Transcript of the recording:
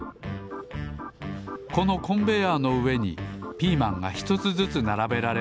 このコンベヤーのうえにピーマンがひとつずつならべられました。